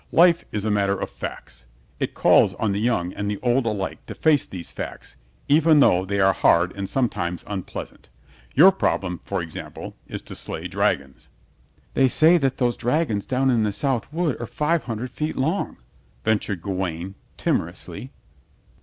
Life is a matter of facts. It calls on the young and the old alike to face these facts, even though they are hard and sometimes unpleasant. Your problem, for example, is to slay dragons." "They say that those dragons down in the south wood are five hundred feet long," ventured Gawaine, timorously.